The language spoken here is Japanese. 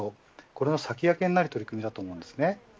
これの先駆けになる取り組みだと思います。